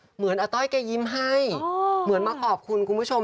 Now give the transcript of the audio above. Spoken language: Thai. อาต้อยแกยิ้มให้เหมือนมาขอบคุณคุณผู้ชม